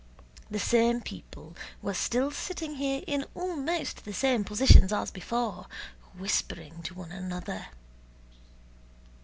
The same people were still sitting here in almost the same positions as before, whispering to one another.